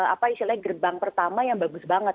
apa istilahnya gerbang pertama yang bagus banget